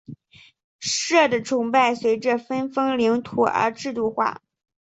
社的崇拜随着分封领土而制度化。